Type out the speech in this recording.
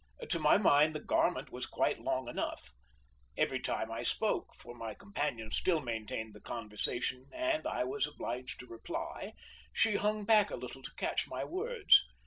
To my mind the garment was quite long enough. Every time I spoke, for my companion still maintained the conversation and I was obliged to reply, she hung back a little to catch my words.